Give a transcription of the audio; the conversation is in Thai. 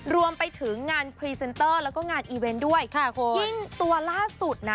รวมไปถึงแล้วก็งานด้วยค่ะคุณยิ่งตัวล่าสุดนะ